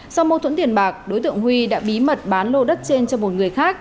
sau mâu thuẫn tiền bạc đối tượng huy đã bí mật bán lô đất trên cho một người khác